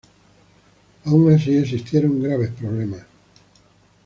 Aun así existieron graves problemas.